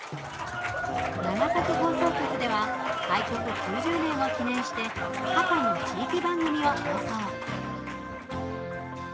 長崎放送局では開局９０年を記念して過去の地域番組を放送。